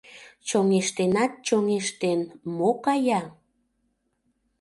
Чоҥештенат-чоҥештен мо кая?